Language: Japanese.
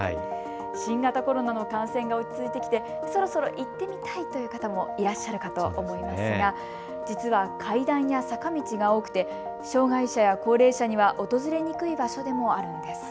新型コロナの感染が落ち着いてきて、そろそろ行ってみたいという方もいらっしゃるかと思いますが実は階段や坂道が多くて障害者や高齢者には訪れにくい場所でもあるんです。